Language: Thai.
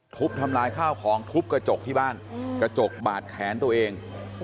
ทุบทำลายข้าวของทุบกระจกที่บ้านกระจกบาดแขนตัวเอง